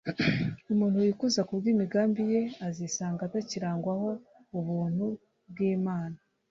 umuntu wikuza kubw'imigambi ye azisanga atakirangwaho ubuntu bw'imana